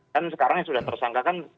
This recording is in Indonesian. kan sekarang yang sudah tersangka kan